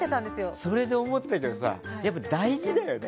それで思ったけどさやっぱり大事だよね